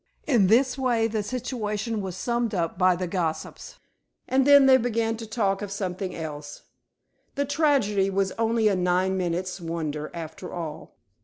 In this way the situation was summed up by the gossips, and then they began to talk of something else. The tragedy was only a nine minutes' wonder after all.